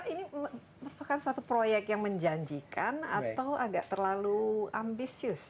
ini merupakan suatu proyek yang menjanjikan atau agak terlalu ambisius